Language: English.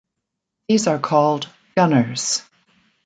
These are called gunners.